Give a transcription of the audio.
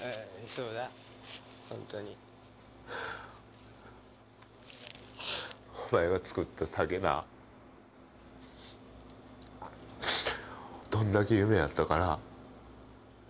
そうだホントにお前が作った酒などんだけ夢やったかな